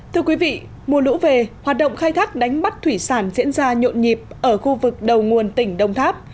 thưa quý vị mùa lũ về hoạt động khai thác đánh bắt thủy sản diễn ra nhộn nhịp ở khu vực đầu nguồn tỉnh đông tháp